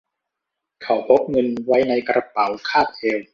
เขาพกเงินไว้ในกระเป๋าคาดเอว